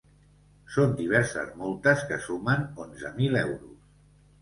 Són diverses multes que sumen onze mil euros.